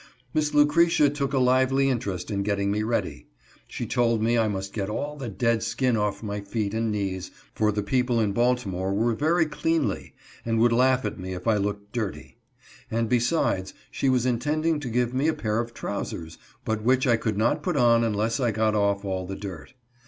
Miss Lucretia took a lively interest in getting me ready. She told me I must get all the dead skin off my feet and knees, for the people in Baltimore were very cleanly, and would laugh at me if I looked dirty ; and besides she was intending to give me a pair of trowsers, but which I could not put on unless I got off all the dirt.